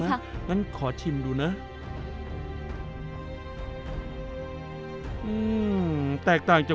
ใช่ค่ะฉันใส่ซอสเหรอแต่เมื่อกี้ผมได้ยินบอกว่า